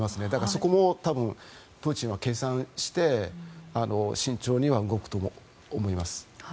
そこもプーチンは計算して慎重には動くと思います。